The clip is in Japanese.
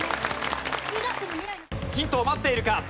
ヒントを待っているか。